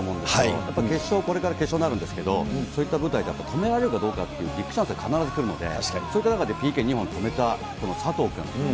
やっぱり決勝、これから決勝になるんですけど、そういった舞台で止められるかどうかって、ビッグチャンスが必ず来るので、そういった中でＰＫ２本止めた佐藤君。